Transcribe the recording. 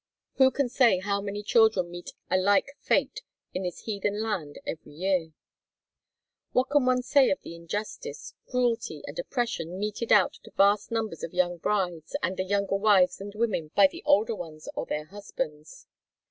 Who can say how many children meet a like fate in this heathen land every year? What can one say of the injustice, cruelty, and oppression meted out to vast numbers of young brides and the younger wives and women by the older ones or their husbands?